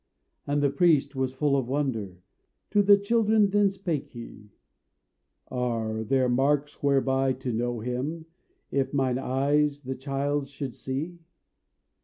And the priest was full of wonder; To the children then spake he "Are there marks whereby to know him If mine eyes the child should see?"